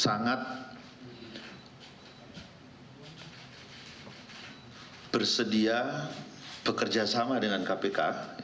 sangat bersedia bekerja sama dengan kpk